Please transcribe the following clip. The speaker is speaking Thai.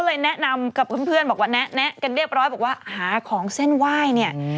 ก็เลยแนะนำกับเพื่อนแนะกันเรียบร้อยหาของเส้นไหว้